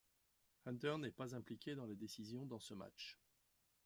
Hunter n'est pas impliqué dans la décision dans ce match.